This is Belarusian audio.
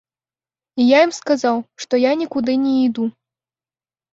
І я ім сказаў, што я нікуды не іду.